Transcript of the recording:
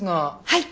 はい！